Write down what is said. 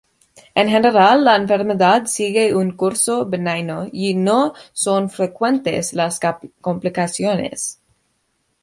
En general la enfermedad sigue un curso benigno y no son frecuentes las complicaciones.